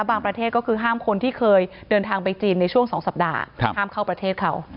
ประเทศก็คือห้ามคนที่เคยเดินทางไปจีนในช่วง๒สัปดาห์ห้ามเข้าประเทศเขา